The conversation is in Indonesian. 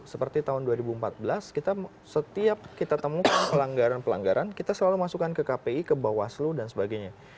seperti tahun dua ribu empat belas kita setiap kita temukan pelanggaran pelanggaran kita selalu masukkan ke kpi ke bawaslu dan sebagainya